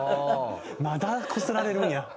まだこすられるんや。